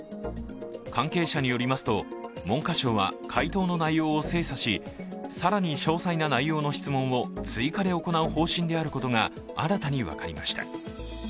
関係者によりますと、文科省は回答の内容を精査し更に詳細な内容の質問を追加で行う方針であることが新たに分かりました。